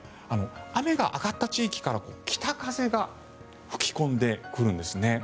雨が上がった地域から北風が吹き込んでくるんですね。